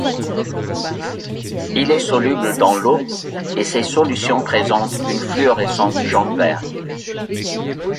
Il est soluble dans l'eau et ses solutions présentent une fluorescence jaune-vert.